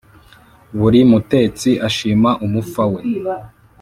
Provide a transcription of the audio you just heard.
buri mutetsi ashima umufa we